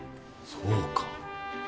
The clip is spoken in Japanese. そうか。